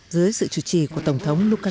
dưới sự chủ trì của tổng thống lukashenko